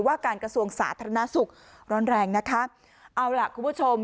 ว่าการกระทรวงสาธารณสุขร้อนแรงนะคะเอาล่ะคุณผู้ชม